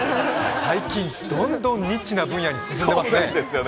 最近どんどんニッチな分野に進んでますね。